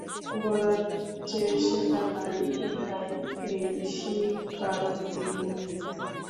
গোরার যে সেটা নাই ইহাই এই স্বীকারোক্তির ইঙ্গিত।